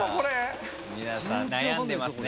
皆さん悩んでますね。